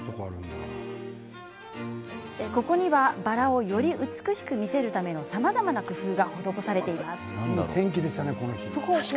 ここには、バラをより美しく見せるためのさまざまな工夫が施されています。